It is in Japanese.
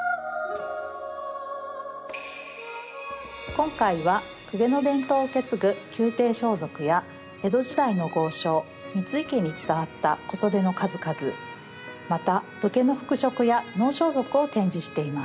今回は公家の伝統を受け継ぐ宮廷装束や江戸時代の豪商三井家に伝わった小袖の数々また武家の服飾や能装束を展示しています。